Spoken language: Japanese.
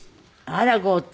あら豪邸！